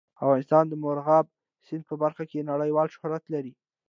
افغانستان د مورغاب سیند په برخه کې نړیوال شهرت لري.